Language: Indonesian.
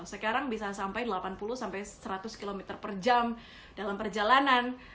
sekarang bisa sampai delapan puluh sampai seratus km per jam dalam perjalanan